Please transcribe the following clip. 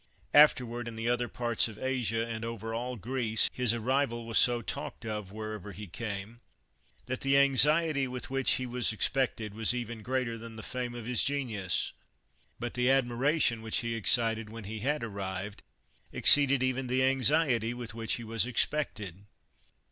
Afterward, in the other parts of Asia, and over all Greece, his arrival was so talked of wherever he came, that the anxiety with which he was expected was even greater than the fame 133 THE WORLD'S FAMOUS ORATIONS ^f his genius; but the admiration which he ex cited when he had arrived, exceeded even the anxiety with which he was expected.